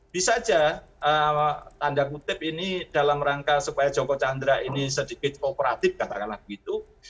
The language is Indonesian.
bisa saja tanda kutip ini dalam rangka supaya joko chandra ini sedikit kooperatif katakanlah begitu